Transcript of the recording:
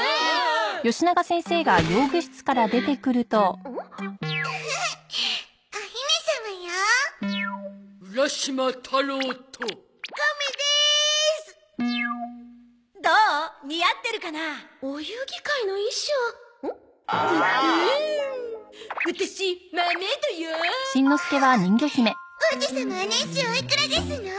オホホ王子様は年収おいくらですの？